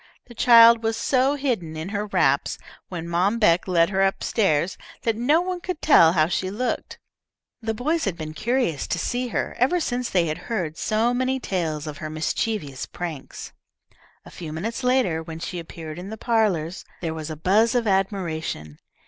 The child was so hidden in her wraps when Mom Beck led her up stairs, that no one could tell how she looked. The boys had been curious to see her, ever since they had heard so many tales of her mischievous pranks. A few minutes later, when she appeared in the parlours, there was a buzz of admiration.